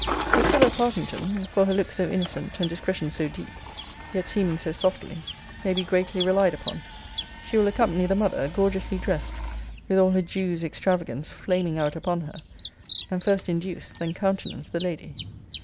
Priscilla Partington (for her looks so innocent, and discretion so deep, yet seeming so softly) may be greatly relied upon. She will accompany the mother, gorgeously dressed, with all her Jew's extravagance flaming out upon her; and first induce, then countenance, the lady.